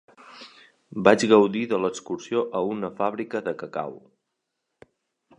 Vaig gaudir de l'excursió a una fàbrica de cacau.